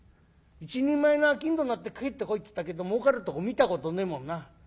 一人前の商人になって帰ってこいって言ったけど儲かるとこ見たことねえもんな。